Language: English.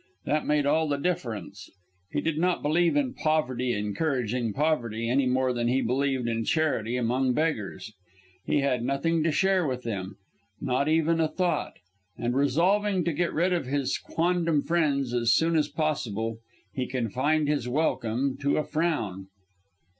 That made all the difference. He did not believe in poverty encouraging poverty, any more than he believed in charity among beggars. He had nothing to share with them, not even a thought; and resolving to get rid of his quondam friends as soon as possible, he confined his welcome to a frown.